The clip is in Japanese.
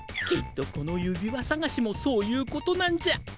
きっとこの指輪さがしもそういうことなんじゃ。